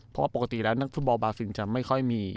เพราะว่าปกติแล้วนักฟุตบอลบาซินจะไม่ค่อยมี